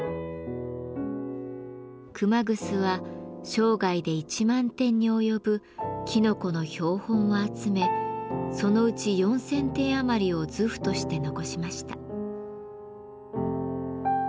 熊楠は生涯で１万点に及ぶきのこの標本を集めそのうち４，０００点余りを図譜として残しました。